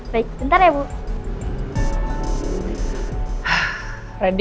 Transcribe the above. lagi lagi nasa' buat